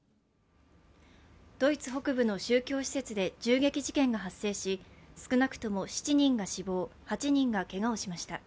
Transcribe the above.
ドイツ北部の宗教施設で銃撃事件が発生し少なくとも７人が死亡、８人がけがをしました。